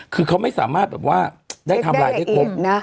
คือเขาไม่สามารถได้ทามไลน์ได้ครบ